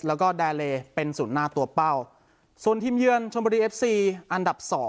แล้วก็แดเลเป็นศูนย์หน้าตัวเป้าส่วนทีมเยือนชนบุรีเอฟซีอันดับ๒